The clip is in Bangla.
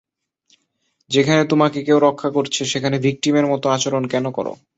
যেখানে তোমাকে কেউ রক্ষা করছে সেখানে ভিক্টিমের মতো আচরণ করো কেন?